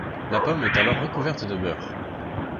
La pomme est alors recouverte de beurre.